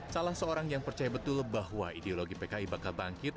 salah seorang yang percaya betul bahwa ideologi pki bakal bangkit